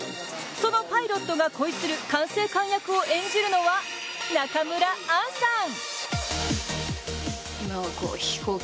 そのパイロットが恋する管制官役を演じるのは中村アンさん。